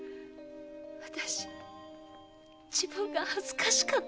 私自分が恥ずかしかった。